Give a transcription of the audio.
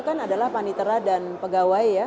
kan adalah panitera dan pegawai ya